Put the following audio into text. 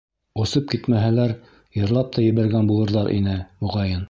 Осоп китмәһәләр, йырлап та ебәргән булырҙар ине, моғайын.